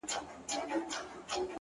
سونډان مي وسوځېدل!